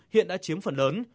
hiện đã chiếm phần lớn